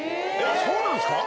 そうなんですか？